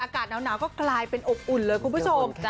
อากาศหนาวก็กลายเป็นอบอุ่นเลยคุณผู้ชม